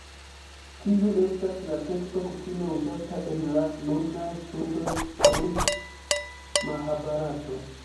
Tiu estas la teksto kutime uzata en la nunaj studoj pri Mahabarato.